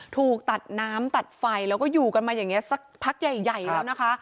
ถูกตัดน้ำตัดไฟแล้วก็อยู่กันมาอย่างนี้สักพักใหญ่แล้วนะคะ